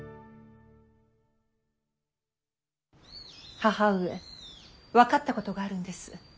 義母上分かったことがあるんです。